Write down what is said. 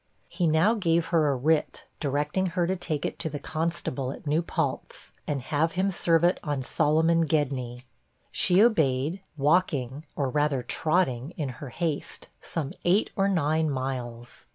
He now gave her a writ, directing her to take it to the constable at New Paltz, and have him serve it on Solomon Gedney. She obeyed, walking, or rather trotting, in her haste, some eight or nine miles.